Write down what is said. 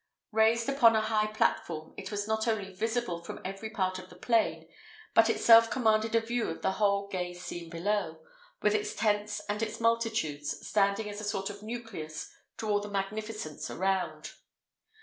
Raised upon a high platform, it was not only visible from every part of the plain, but itself commanded a view of the whole gay scene below, with its tents and its multitudes, standing as a sort of nucleus to all the magnificence around.